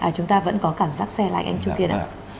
chúng ta vẫn có cảm giác xe lại anh trung kiên ạ